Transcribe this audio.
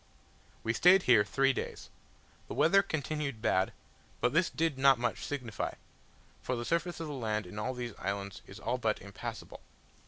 We stayed here three days. The weather continued bad: but this did not much signify, for the surface of the land in all these islands is all but impassable.